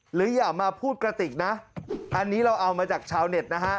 อย่ามาพูดกระติกนะอันนี้เราเอามาจากชาวเน็ตนะฮะ